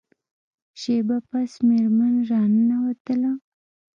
شیبه پس میرمن را ننوتله.